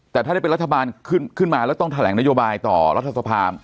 แต่ถ้าได้เป็นรัฐบาลขึ้นมาแล้วต้องแถลงนโยบายต่อรัฐสภา